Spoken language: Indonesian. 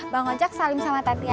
bang ojak salim sama tati aja